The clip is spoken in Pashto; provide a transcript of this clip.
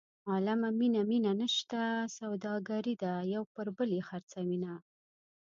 عالمه مینه مینه نشته سوداګري ده یو پر بل یې خرڅوینه.